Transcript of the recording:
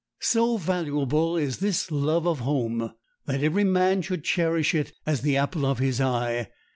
So valuable is this love of home that every man should cherish it as the apple of his eye.